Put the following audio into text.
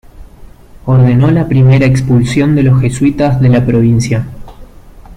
Ordenó la primera expulsión de los jesuitas de la provincia.